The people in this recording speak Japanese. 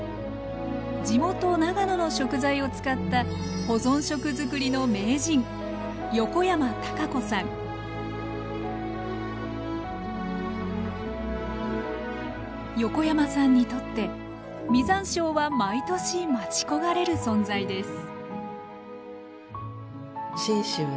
地元長野の食材を使った保存食作りの名人横山さんにとって実山椒は毎年待ち焦がれる存在です